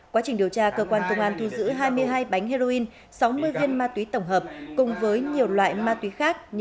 quá trình điều tra cơ quan thông an thu giữ hai mươi hai bánh heroin sáu mươi heroin